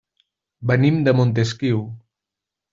Venim de Montesquiu.